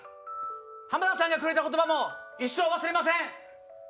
浜田さんがくれた言葉も一生忘れません。